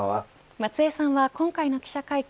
松江さんは今回の記者会見